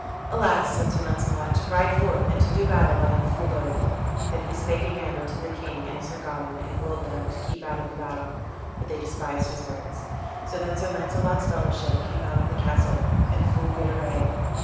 "Alas!" said Sir Launcelot, "to ride forth and to do battle I am full loath." Then he spake again unto the king and Sir Gawain, and willed them to keep out of the battle; but they despised his words. So then Sir Launcelot's fellowship came out of the castle in full good array.